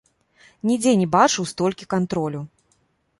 Нідзе не бачыў столькі кантролю.